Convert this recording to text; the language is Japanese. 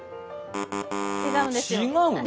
違うんですよ。